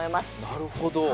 なるほど。